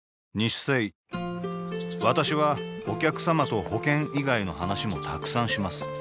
私はお客様と保険以外の話もたくさんします